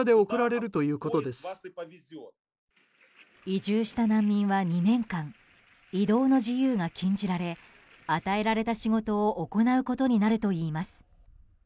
移住した難民は２年間移動の自由が禁じられ与えられた仕事を行うことになるといいます。